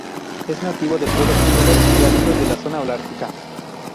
Es nativo de los suelos húmedos y ácidos de la zona holártica.